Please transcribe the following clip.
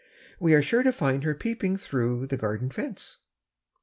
We are sure to find her peeping through the garden fence."